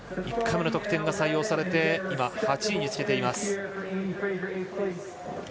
１回目の得点が採用されて今、８位につけています。